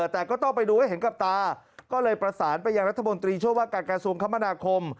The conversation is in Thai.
แต่ก็ต้องไปดูให้เห็นกับตาก็เลยประสานไปยังรัฐมนตรีช่วยว่าการกระทรวงคมนาคม